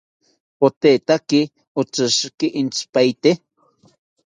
Patetaki otishiki entzipaete